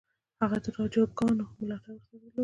هغه د راجاګانو ملاتړ ورسره درلود.